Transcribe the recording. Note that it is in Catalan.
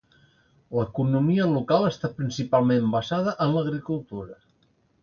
L'economia local està principalment basada en l'agricultura.